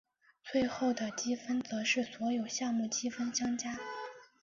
最后的积分则是所有项目积分相加。